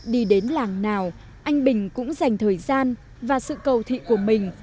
đi đến làng nào anh bình cũng dành thời gian và sự cầu thị của mình